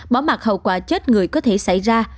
bỏ mặt hậu quả chết người có thể xảy ra